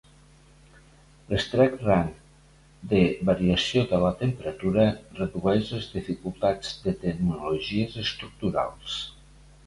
L'estret rang de variació de la temperatura redueix les dificultats de tecnologies estructurals.